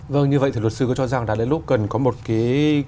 vâng như vậy thì luật sư có cho rằng là lúc cần có một cái